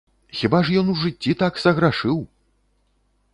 Хіба ж ён у жыцці так саграшыў!